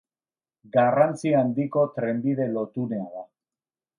Garrantzi handiko trenbide lotunea da.